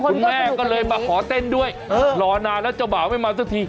คุณแม่ก็เลยมาขอเต้นด้วยรอนานแล้วเจ้าบ่าวไม่มาสักที